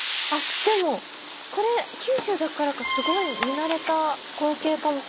でもこれ九州だからかすごい見慣れた光景かもしれないです。